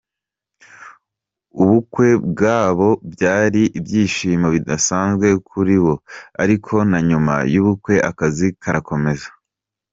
Ubukwe bwabo byari ibyishimo bidasanzwe kuri bo, ariko na nyuma y’ubukwe akazi karakomeza.